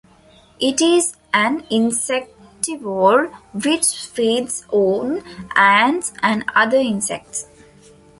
It is an insectivore which feeds on ants and other insects.